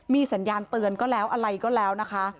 มีสัญญาณเตือนก็แล้วอะไรก็แล้วนะคะ